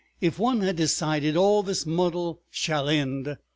"If one had decided all this muddle shall end!